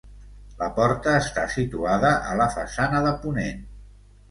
La porta està situada a la façana de ponent.